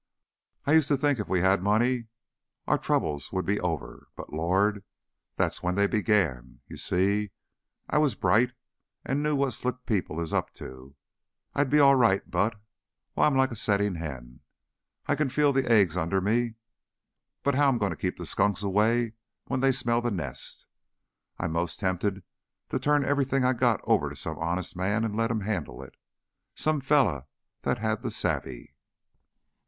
I use' to think if we had money our troubles would be over, but Lord, that's when they begin! You see, if I was bright an' knew what slick people is up to, I'd be all right; but Why, I'm like a settin' hen. I can feel the eggs under me, but how am I goin' to keep the skunks away when they smell the nest? I'm 'most tempted to turn everything I got over to some honest man an' let him han'le it. Some feller that had the savvy."